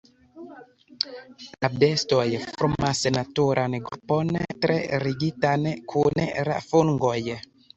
La bestoj formas naturan grupon tre ligitan kun la fungoj.